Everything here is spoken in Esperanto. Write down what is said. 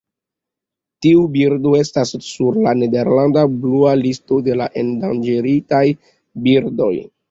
Tiu birdo estas sur la "Nederlanda Blua Listo" de la endanĝeritaj birdoj.